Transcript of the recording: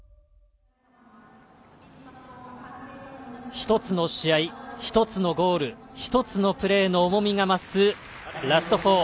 一つの試合、一つのゴール一つのプレーの重みが増すラスト４。